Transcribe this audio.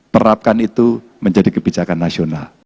perapkan itu menjadi kebijakan nasional